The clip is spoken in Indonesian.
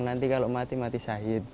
nanti kalau mati mati sahid